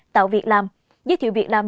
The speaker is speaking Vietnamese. tạo việc làm giới thiệu việc làm